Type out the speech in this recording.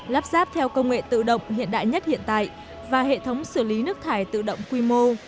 lắp ráp theo công nghệ tự động hiện đại nhất hiện tại và hệ thống xử lý nước thải tự động quy mô